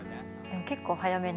結構早めに？